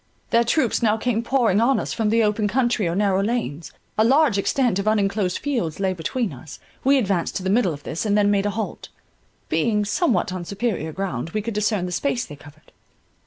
Their troops now came pouring on us from the open country or narrow lanes; a large extent of unenclosed fields lay between us; we advanced to the middle of this, and then made a halt: being somewhat on superior ground, we could discern the space they covered.